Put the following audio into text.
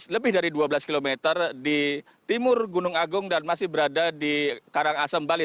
lebih dari dua belas km di timur gunung agung dan masih berada di karangasem bali